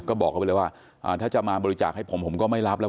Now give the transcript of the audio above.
ก็บอกเขาไปเลยว่าถ้าจะมาบริจาคให้ผมผมก็ไม่รับแล้ว